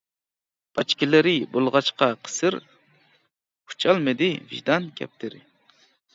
باچكىلىرى بولغاچقا قىسىر، ئۇچالمىدى ۋىجدان كەپتىرى.